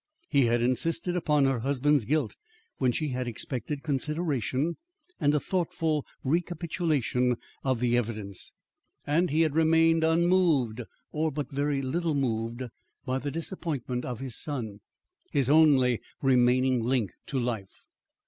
He had insisted upon her husband's guilt, when she had expected consideration and a thoughtful recapitulation of the evidence; and he had remained unmoved, or but very little moved, by the disappointment of his son his only remaining link to life.